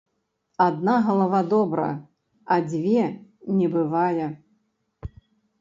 Адна галава добра, а дзве не бывае.